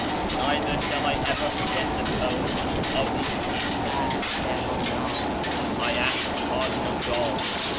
neither shall I ever forget the tone of the " Estaghfiru 'lldh !"{" I ask pardon of God